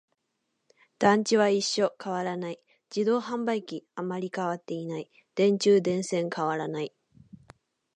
団地は一緒、変わらない。自動販売機、あまり変わっていない。電柱、電線、変わらない。